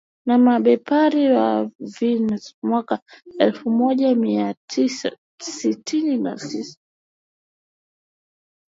na Mabepari wa Venus mwaka elfumoja miatisa sitini na tisa